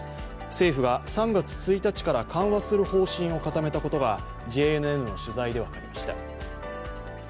政府が３月１日から緩和する方針を固めたことがＪＮＮの取材で分かりました。